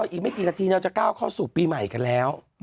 อีกไม่กี่นาทีเราจะก้าวเข้าสู่ปีใหม่กันแล้ว